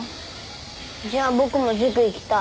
じゃあ僕も塾行きたい。